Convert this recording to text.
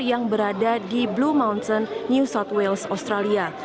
yang berada di blue mountain new south wales australia